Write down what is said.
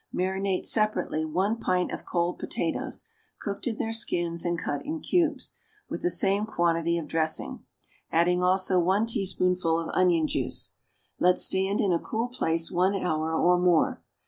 Marinate, separately, one pint of cold potatoes, cooked in their skins and cut in cubes, with the same quantity of dressing, adding also one teaspoonful of onion juice. Let stand in a cool place one hour or more.